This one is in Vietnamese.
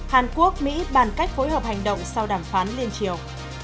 hàn quốc mỹ bàn cách phối hợp hành động sau đàm phán liên triều